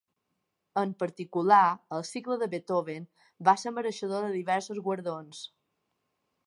En particular, el cicle de Beethoven va ser mereixedor de diversos guardons.